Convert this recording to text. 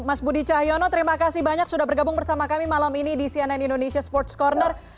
mas budi cahyono terima kasih banyak sudah bergabung bersama kami malam ini di cnn indonesia sports corner